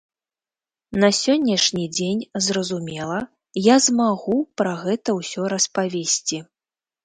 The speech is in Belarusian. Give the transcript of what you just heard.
На сённяшні дзень, зразумела, я змагу пра гэта ўсё распавесці.